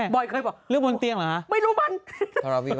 บอยเคยบอกลืมบนเตียงเหรอครับไม่รู้มัน